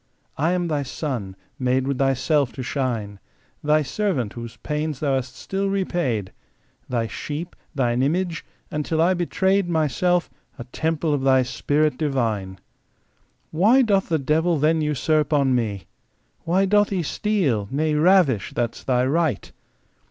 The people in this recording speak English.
I am Thy son, made with Thyself to shine, Thy servant, whose pains Thou hast still repaid, Thy sheep, Thine image, and—till I betray'd Myself—a temple of Thy Spirit divine. Why doth the devil then usurp on me ? Why doth he steal, nay ravish, that's Thy right